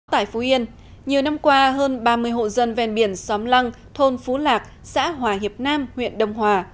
tại phú yên nhiều năm qua hơn ba mươi hộ dân ven biển xóm lăng thôn phú lạc xã hòa hiệp nam huyện đông hòa